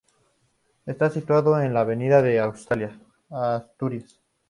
Está situado en la Avenida de Asturias.